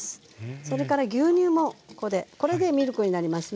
それから牛乳もここでこれでミルクになりますね。